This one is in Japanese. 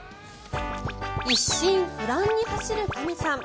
一心不乱に走る亀さん。